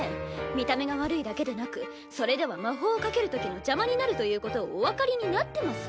見た目が悪いだけでなくそれでは魔法をかけるときの邪魔になるということをお分かりになってます？